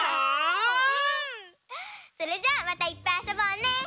それじゃあまたいっぱいあそぼうね！